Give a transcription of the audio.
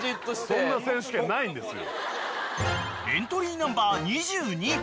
そんな選手権ないんですよ。